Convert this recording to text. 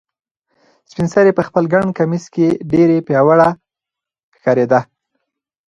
سپین سرې په خپل ګڼ کمیس کې ډېره پیاوړې ښکارېده.